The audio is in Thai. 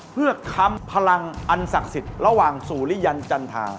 เพื่อคำพลังอันศักดิ์สิทธิ์ระหว่างสุริยันจันทรา